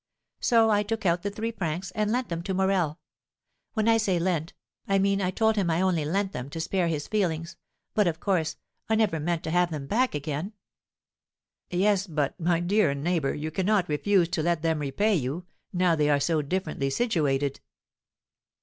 So I took out the three francs, and lent them to Morel. When I say lent, I mean I told him I only lent them, to spare his feelings; but, of course, I never meant to have them back again." "Yes, but my dear neighbour, you cannot refuse to let them repay you, now they are so differently situated."